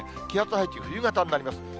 気圧配置、冬型になります。